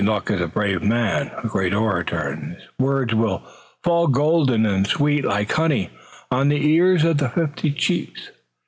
Luc is a brave man, a great orator, and his words will fall, golden and sweet like honey, on the ears of the fifty chiefs.